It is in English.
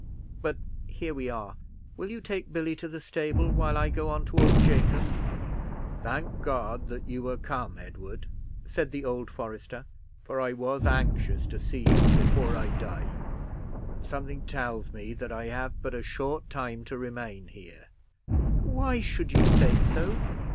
But here we are: will you take Billy to the stable, while I go on to old Jacob? "Thank God that you are come, Edward," said the old forester, "for I was anxious to see you before I die; and something tells me that I have but a short time to remain here." "Why should you say so!